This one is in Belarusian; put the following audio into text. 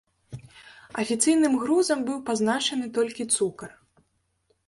Афіцыйным грузам быў пазначаны толькі цукар.